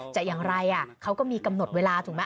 อย่างไรเขาก็มีกำหนดเวลาถูกไหม